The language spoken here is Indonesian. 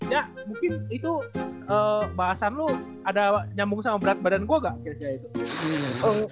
ya mungkin itu bahasan lu ada nyambung sama berat badan gua gak